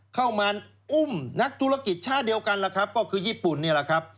เข้ามาอุ้มนักธุรกิจชาติเดียวกันล่ะครับก็คือญี่ปุ่นนี่แหละครับ